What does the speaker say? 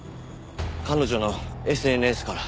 彼女のＳＮＳから。